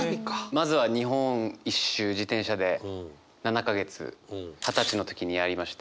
まずは日本一周自転車で７か月二十歳の時にやりまして。